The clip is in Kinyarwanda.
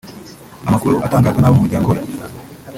Amakuru atangazwa n’abo mu muryango we